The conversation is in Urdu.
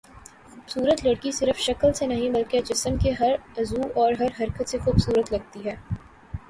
خوبصورت لڑکی صرف شکل سے نہیں بلکہ جسم کے ہر عضو اور ہر حرکت سے خوبصورت لگتی ہے